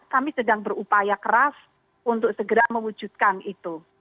kami sedang berupaya keras untuk segera mewujudkan itu